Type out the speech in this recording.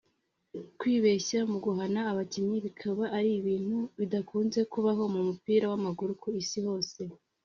kwibeshya mu guhana abakinnyi bikaba ari ibintu bidakunze kubaho mu mupira w’amaguru ku isi hose